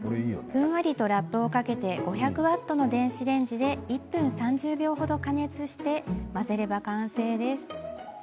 ふんわりとラップをかけて５００ワットの電子レンジで１分３０秒程、加熱して混ぜれば完成です。